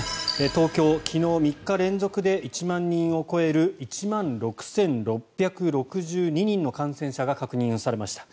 東京、昨日３日連続で１万人を超える１万６６６２人の感染者が確認されました。